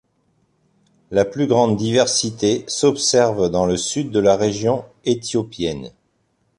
La plus grande diversité s'observe dans le sud de la région éthiopienne.